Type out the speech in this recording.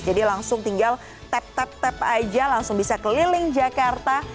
jadi langsung tinggal tap tap tap aja langsung bisa keliling jakarta